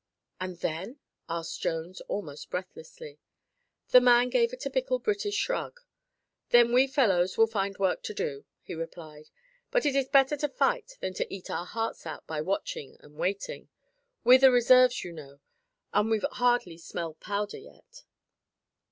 "And then?" asked Jones, almost breathlessly. The man gave a typical British shrug. "Then we fellows will find work to do," he replied. "But it is better to fight than to eat our hearts out by watching and waiting. We're the reserves, you know, and we've hardly smelled powder yet."